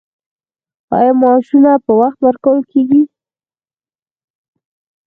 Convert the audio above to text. آیا معاشونه په وخت ورکول کیږي؟